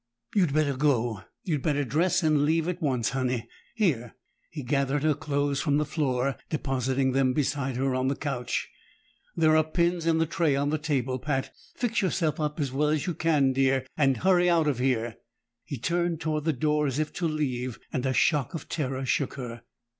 "You'd better go. You'd better dress and leave at once, Honey. Here." He gathered her clothes from the floor, depositing them beside her on the couch. "There are pins in the tray on the table, Pat. Fix yourself up as well as you can, dear and hurry out of here!" He turned toward the door as if to leave, and a shock of terror shook her.